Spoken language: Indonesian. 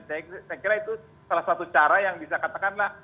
saya kira itu salah satu cara yang bisa katakanlah